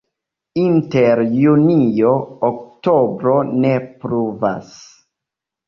Inter junio-oktobro ne pluvas.